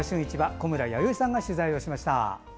小村弥生さんが取材をしました。